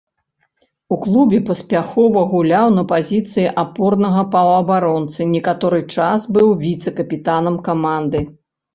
У клубе паспяхова гуляў на пазіцыі апорнага паўабаронцы, некаторы час быў віцэ-капітанам каманды.